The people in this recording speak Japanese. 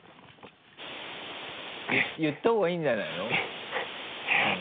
言ったほうがいいんじゃないの？